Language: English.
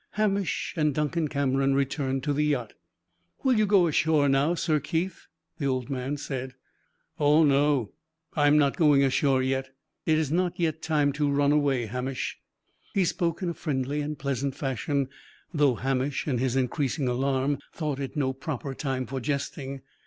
Hamish and Duncan Cameron returned to the yacht. "Will you go ashore now, Sir Keith?" the old man said. "Oh no; I am not going ashore yet. It is not yet time to run away, Hamish." He spoke in a friendly and pleasant fashion, though Hamish, in his increasing alarm, thought it no proper time for jesting.